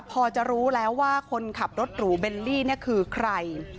พอจะรู้แล้วว่าคนขับรถหรูเบลลี่เนี่ยคือใคร